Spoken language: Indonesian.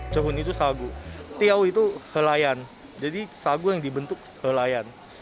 jehuntiao itu sagu tiao itu helayan jadi sagu yang dibentuk helayan